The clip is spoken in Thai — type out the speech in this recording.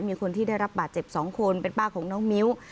มีคนที่ได้รับบาดเจ็บ๒คนเป็นป้าของน้องมิ้ว